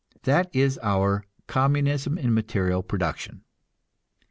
That is our "Communism in material production."